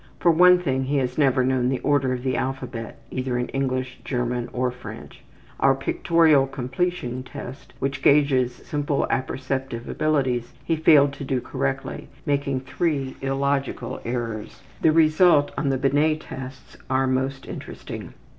For one thing, he has never known the order of the alphabet either in English, German, or French. Our ``Pictorial Completion Test,'' which gauges simple apperceptive abilities, he failed to do correctly, making three illogical errors. The result on the Binet tests are most interesting.